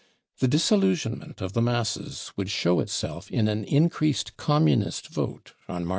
The disillusionment of the masses would show itself in an in creased Communist vote on March 5th.